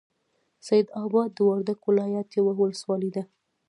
سیدآباد د وردک ولایت یوه ولسوالۍ ده.